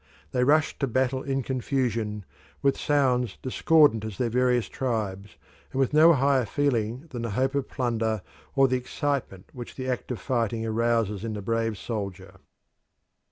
They rushed to battle in confusion, "with sounds, discordant as their various tribes," and with no higher feeling than the hope of plunder or the excitement which the act of fighting arouses in the brave soldier.